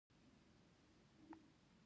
برټانیې حکومت خوشاله دی.